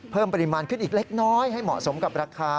เพิ่มปริมาณขึ้นอีกเล็กน้อยให้เหมาะสมกับราคา